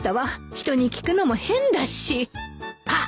人に聞くのも変だしあっ！